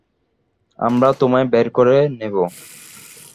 আমরা তোমায় বের করে নেবো।